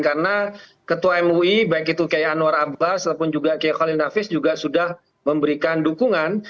karena ketua mui baik itu kayak anwar abbas ataupun juga kayak khalil nafis juga sudah memberikan dukungan